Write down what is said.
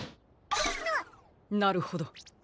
なるほど。